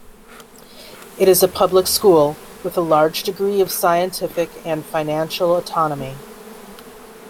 It is a public school with a large degree of scientific and financial autonomy.